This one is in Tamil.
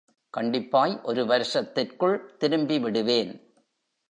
கண்டிப்பாய் ஒரு வருஷத்திற்குள் திரும்பிவிடுவேன்.